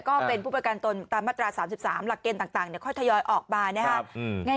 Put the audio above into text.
ก็เป็นผู้ประกันตนตามมาตรา๓๓หลักเกณฑ์ต่างค่อยทยอยออกมานะครับ